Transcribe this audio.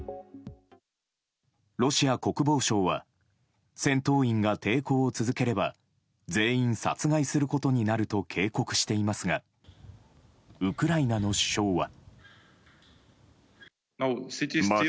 ロシア国防省は戦闘員が抵抗を続ければ全員、殺害することになると警告していますがウクライナの首相は。